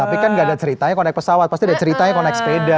tapi kan gak ada ceritanya kalau naik pesawat pasti ada ceritanya kalau naik sepeda